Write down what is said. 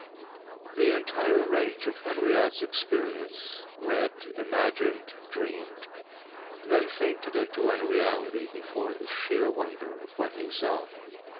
X The entire range of Henriot's experience, read, imagined, dreamed, then fainted into unreality before the sheer wonder of what he saw.